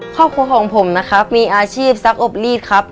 ครอบครัวของผมนะครับมีอาชีพซักอบรีดครับ